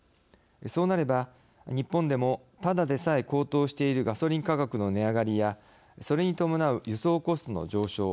そうなれば日本でもただでさえ高騰しているガソリン価格の値上がりやそれに伴う輸送コストの上昇